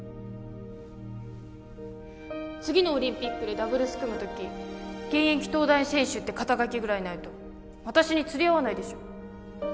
次のオリンピックでダブルス組む時現役東大選手って肩書ぐらいないと私に釣り合わないでしょ